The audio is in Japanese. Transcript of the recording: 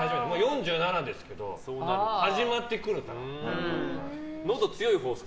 ４７ですけど、始まってくるから。